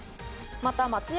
また松屋